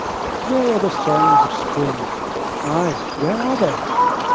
Where are the songs of Spring? Ay, where are they?